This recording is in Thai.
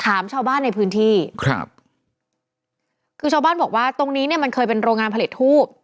ถามชาวบ้านในพื้นที่ครับคือชาวบ้านบอกว่าตรงนี้เนี่ยมันเคยเป็นโรงงานผลิตทูบ